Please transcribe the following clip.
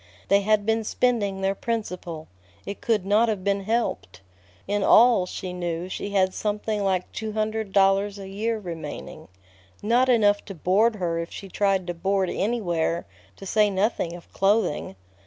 They had been spending their principal. It could not have been helped. In all, she knew, she had something like two hundred dollars a year remaining. Not enough to board her if she tried to board anywhere, to say nothing of clothing.